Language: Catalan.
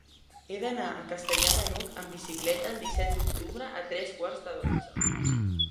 He d'anar a Castellar de n'Hug amb bicicleta el disset d'octubre a tres quarts de dotze.